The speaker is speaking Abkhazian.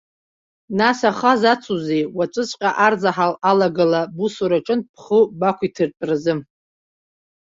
Нас аха зацузеи, уаҵәыҵәҟьа арзаҳал алагала, бусураҿынтә бхы бақәиҭыртәразы.